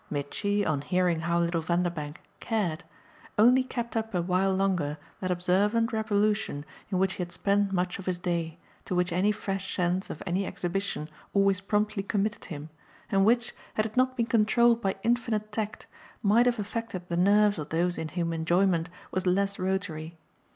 Mitchy, on hearing how little Vanderbank "cared," only kept up a while longer that observant revolution in which he had spent much of his day, to which any fresh sense of any exhibition always promptly committed him, and which, had it not been controlled by infinite tact, might have affected the nerves of those in whom enjoyment was less rotary.